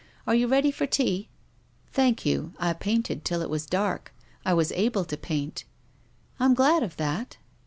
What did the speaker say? " Are you ready for tea ?"*' Thank you, I painted till it was dark. I was able to paint." " I'm glad of that."